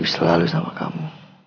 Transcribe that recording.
aku selalu sama kamu